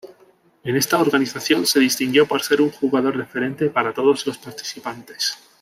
En esta organización se distinguió por ser un jugador referente para todos los participantes.